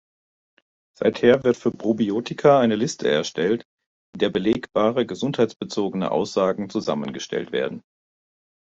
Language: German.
Seither wird für Probiotika eine Liste erstellt, in der belegbare gesundheitsbezogene Aussagen zusammengestellt werden.